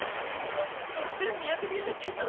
６２２９粒！